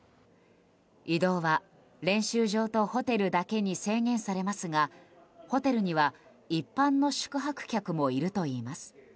移動は、練習場とホテルだけに制限されますがホテルには一般の宿泊客もいるといいます。